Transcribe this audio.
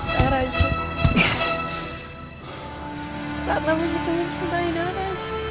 karena begitu mencintai aku